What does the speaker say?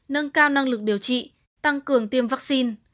nâng cao năng lực điều trị tăng cường tiêm vaccine